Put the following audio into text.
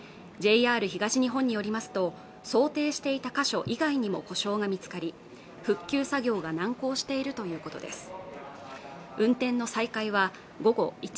ＪＲ東日本によりますと想定していた箇所以外にも故障が見つかり復旧作業が難航しているということです